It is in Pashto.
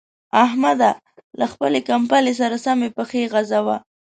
احمده! له خپلې کمبلې سره سمې پښې غځوه.